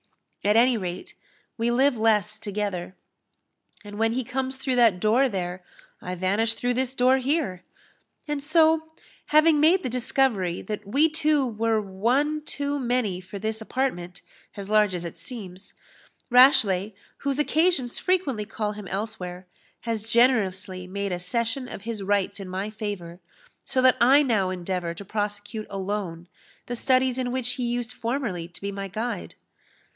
At any rate, we live less together; and when he comes through that door there, I vanish through this door here; and so, having made the discovery that we two were one too many for this apartment, as large as it seems, Rashleigh, whose occasions frequently call him elsewhere, has generously made a cession of his rights in my favour; so that I now endeavour to prosecute alone the studies in which he used formerly to be my guide."